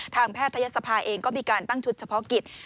แพทยศภาเองก็มีการตั้งชุดเฉพาะกิจ